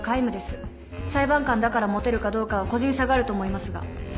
裁判官だからモテるかどうかは個人差があると思いますが。